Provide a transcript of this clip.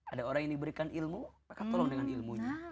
ada orang yang diberikan ilmu maka tolong dengan ilmunya